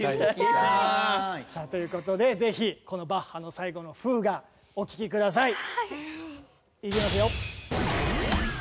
さあという事でぜひこのバッハの最後の『フーガ』お聴きください！いきますよ。